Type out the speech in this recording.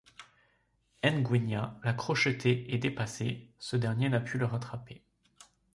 Ngwenya l'a crocheté et dépassé, ce dernier n'a pu le rattraper.